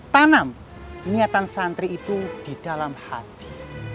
tanam niatan santri itu di dalam hati